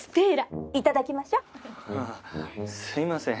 ああすいません。